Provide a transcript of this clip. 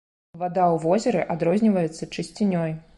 Вада ў возеры адрозніваецца чысцінёй.